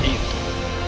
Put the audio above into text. karena pendekar gila itu